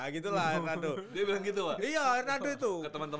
dia bilang gitu pak